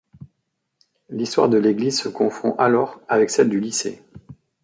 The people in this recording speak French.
L’histoire de l’église se confond alors avec celle du lycée.